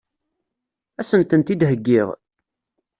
Ad sent-tent-id-heggiɣ?